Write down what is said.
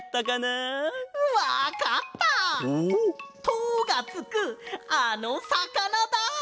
「と」がつくあのさかなだ！